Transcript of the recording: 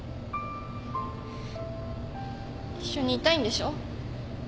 一緒にいたいんでしょ？